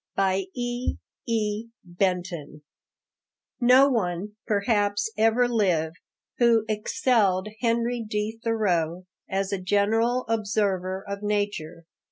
E. E. BENTON. No one perhaps ever lived who excelled Henry D. Thoreau as a general observer of nature.